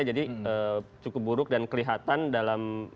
jadi cukup buruk dan kelihatan dalam